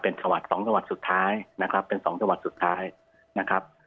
เป็นจังหวัด๒จังหวัดสุดท้ายนะครับเป็น๒จังหวัดสุดท้ายนะครับ